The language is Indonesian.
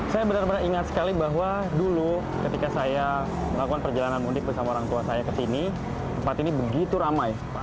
saya benar benar ingat sekali bahwa dulu ketika saya melakukan perjalanan mudik bersama orang tua saya ke sini tempat ini begitu ramai pak